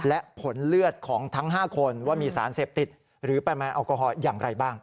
และผลเลือดของทั้ง๕คนว่ามีสารเสพติดหรือปริมาณแอลกอฮอลอย่างไรบ้าง